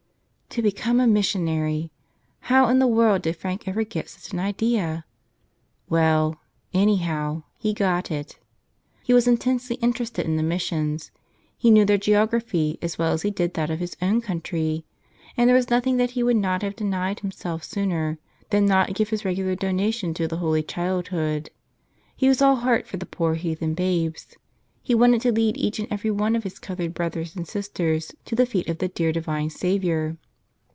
To become a missionary! How in the world did Frank ever get such an idea? Well, anyhow, he got it. He was in¬ tensely interested in the Missions; he knew their geography as well as he did that of his own country; and there was nothing that he would not have denied himself sooner than not give his regular donation to the Holy Childhood. He was all heart for the poor heathen babes. He wanted to lead each and every one of his colored brothers and sisters to the feet of the dear Divine Savior.